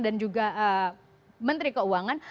dan juga menteri keuangan